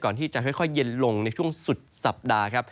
ก่อนที่จะค่อยเย็นลงในช่วงสุดสัปดาห์